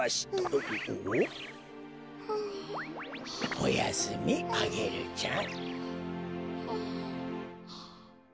おやすみアゲルちゃん。